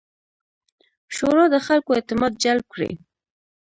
شورا د خلکو اعتماد جلب کړي.